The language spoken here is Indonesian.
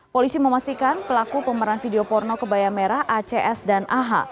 polisi memastikan pelaku pemeran video porno kebaya merah acs dan aha